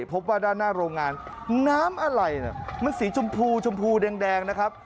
พบว่าด้านหน้าโรงงานน้ำอะไหล่มันสีชมพูชมพูแดงนะครับ